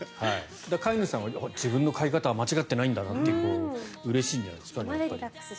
だから飼い主さんは自分の飼い方は間違ってないんだなとうれしいんじゃないですか。